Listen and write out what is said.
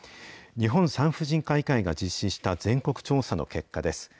日本産婦人科医会が実施した全国調査の結果です。